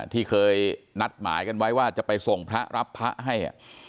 ที่เคยนัดหมายกันไว้ว่าจะไปส่งพระรับพระให้